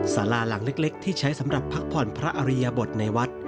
สาราหลังเล็กที่ใช้สำหรับพักผ่อนพระอริยบทในวัด